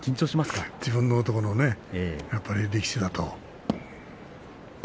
自分の力士だと。